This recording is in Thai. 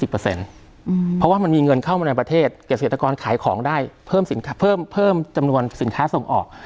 เพราะว่ามันมีเงินเข้ามาในประเทศเกษตรกรขายของได้เพิ่มจำนวนสินค้าส่งออก